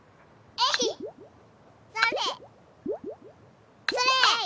えい！